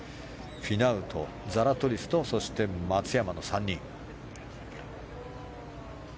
フィナウとザラトリスとそして、松山の３人。